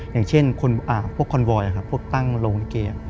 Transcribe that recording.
อย่างเช่นคนพวกคอนโบยพวกตั้งโรงโรงนิเกย์